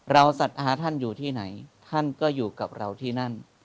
ศรัทธาท่านอยู่ที่ไหนท่านก็อยู่กับเราที่นั่น